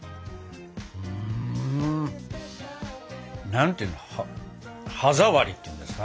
何ていうの歯触りっていうんですか？